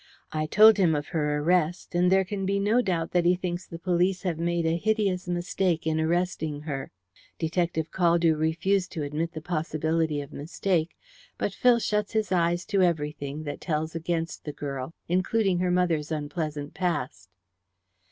"I told him of her arrest, and there can be no doubt that he thinks the police have made a hideous mistake in arresting her. Detective Caldew refused to admit the possibility of mistake, but Phil shuts his eyes to everything that tells against the girl, including her mother's unpleasant past."